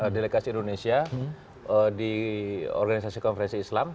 delegasi indonesia di organisasi konferensi islam